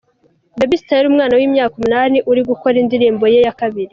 Baby Style umwana w'imyaka umunani uri gukora indirimbo ye ya kabiri.